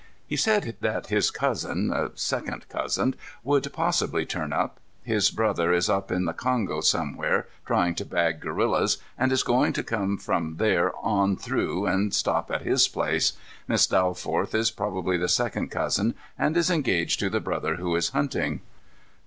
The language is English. "He said that his cousin second cousin would possibly turn up. His brother is up in the Kongo somewhere trying to bag gorillas and is going to come from there on through and stop at his place. Miss Dalforth is probably the second cousin and is engaged to the brother who is hunting."